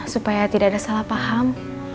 supaya tidak ada salah paham